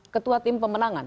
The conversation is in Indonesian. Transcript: ketua tim pemenangan